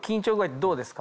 どうですか？